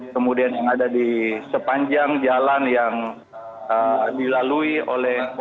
kemudian yang ada di sepanjang jalan yang dilalui oleh